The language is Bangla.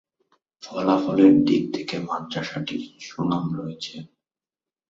ফলাফলের দিক থেকে মাদ্রাসাটির সুনাম রয়েছে।